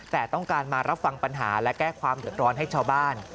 แต่ต้องการมารับฟังปัญหาและแก้ความเดือดร้อนให้ชาวบ้าน